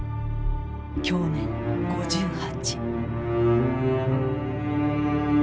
享年５８。